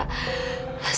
sama ibunya dewi untuk